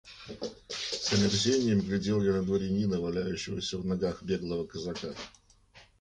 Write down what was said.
С омерзением глядел я на дворянина, валяющегося в ногах беглого казака.